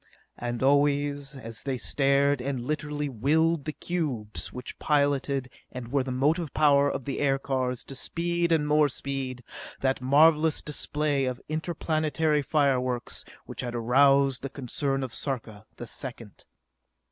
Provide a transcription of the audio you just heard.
And always, as they stared and literally willed the cubes which piloted and were the motive power of the aircars to speed and more speed, that marvelous display of interplanetary fireworks which had aroused the concern of Sarka the Second.